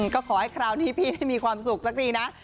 ก็ขอให้คราวนี้พี่มีความสุขสักทีนะ